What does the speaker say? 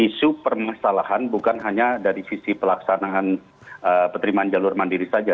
isu permasalahan bukan hanya dari sisi pelaksanaan penerimaan jalur mandiri saja